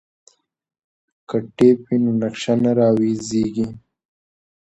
که ټیپ وي نو نقشه نه راویځیږي.